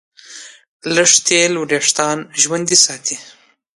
لږ تېل وېښتيان ژوندي ساتي.